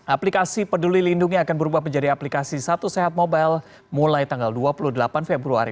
aplikasi peduli lindungi akan berubah menjadi aplikasi satu sehat mobile mulai tanggal dua puluh delapan februari